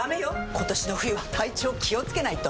今年の冬は体調気をつけないと！